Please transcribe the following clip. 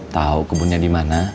tau kebunnya di mana